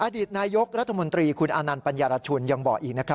อดีตนายกรัฐมนตรีคุณอานันต์ปัญญารชุนยังบอกอีกนะครับ